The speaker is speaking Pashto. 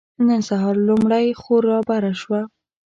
نن سهار لومړۍ خور رابره شوه.